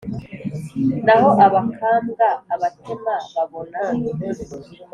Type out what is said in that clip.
n’aho abakambwa ubatema babona